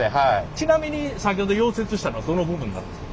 ちなみに先ほど溶接したのはどの部分なるんですか？